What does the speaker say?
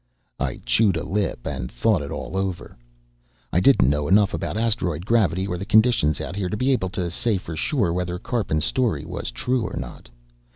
I chewed a lip and thought it all over. I didn't know enough about asteroid gravity or the conditions out here to be able to say for sure whether Karpin's story was true or not.